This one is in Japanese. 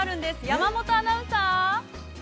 山本アナウンサー。